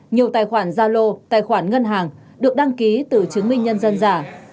nhiều tài khoản gia lô tài khoản ngân hàng được đăng ký từ chứng minh nhân dân giả